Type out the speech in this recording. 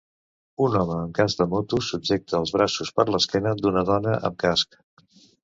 Un home amb casc de moto subjecta els braços per l'esquena d'una dona amb casc.